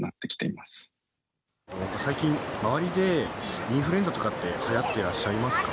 最近、周りでインフルエンザとかって、はやってらっしゃいますか？